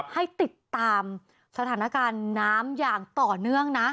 ให้ติดตามสถานการณ์น้ำอย่างต่อเนื่องนะ